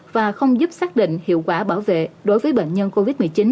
và không giúp xác định hiệu quả bảo vệ đối với bệnh nhân covid một mươi chín